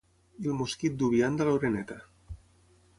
I el mosquit du vianda a l’oreneta.